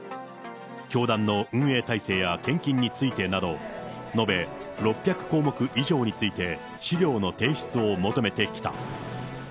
教団の運営体制や献金についてなど、延べ６００項目以上について資料の提出を求めてきた。